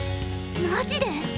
マジで？